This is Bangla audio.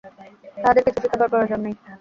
তাঁহাদের কিছু শিখিবার প্রয়োজন নাই।